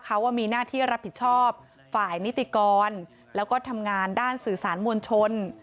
เขาว่ามีหน้าที่รับผิดชอบฝ่ายนิติกรแล้วก็ทำงานด้านสื่อสารมวลชน